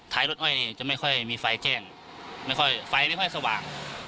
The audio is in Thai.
รถอ้อยนี่จะไม่ค่อยมีไฟแจ้งไม่ค่อยไฟไม่ค่อยสว่าง